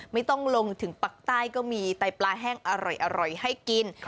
ไม่ต้องลงถึงปักใต้ก็มีไตปลาแห้งอร่อยให้กิน